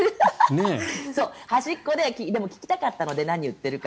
端っこででも、聞きたかったので何を言っているのか。